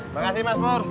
makasih mas pur